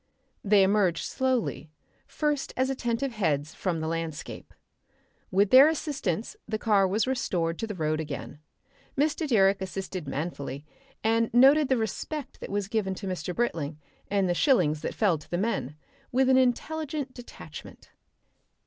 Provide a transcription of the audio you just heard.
They emerged slowly, first as attentive heads, from the landscape. With their assistance the car was restored to the road again. Mr. Direck assisted manfully, and noted the respect that was given to Mr. Britling and the shillings that fell to the men, with an intelligent detachment.